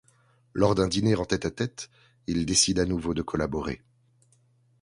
Lors d'un diner en tête à tête, ils décident à nouveau de collaborer.